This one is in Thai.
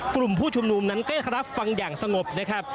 กลุ่มผู้ชุมนุมนั้นก็รับฟังอย่างสงบนะครับ